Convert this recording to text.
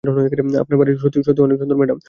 আপনার বাড়ি অনেক সুন্দর, ম্যাডাম।